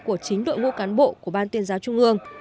của chính đội ngũ cán bộ của ban tuyên giáo trung ương